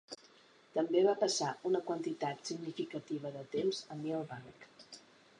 També va passar una quantitat significativa de temps a Mill Bank.